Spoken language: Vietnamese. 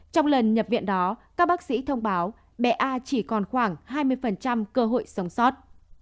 trong lần nhập viện đó các bác sĩ thông báo bé a chỉ còn khoảng hai mươi cơ hội sống sót